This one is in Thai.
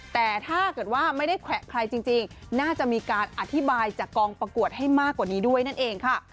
แต่ถ้าเกิดว่าไม่ได้แขวะใครจริงน่าจะมีการอธิบายจากกองประกวดให้มากกว่านี้ด้วยนั่นเองค่ะ